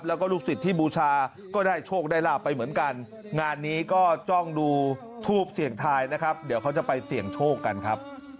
แล้วก็ลูกศิษย์ที่บูชาก็ได้โชคได้ลาบไปเหมือนกันงานนี้ก็จ้องดูทูปเสี่ยงทายนะครับเดี๋ยวเขาจะไปเสี่ยงโชคกันครับ